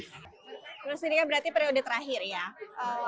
terus ini kan berarti periode terakhir ya